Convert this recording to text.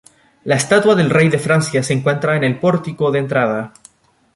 La estatua del rey de Francia se encuentra en el pórtico de entrada.